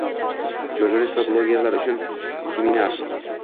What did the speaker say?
Jurnalist va blogerlar uchun seminarng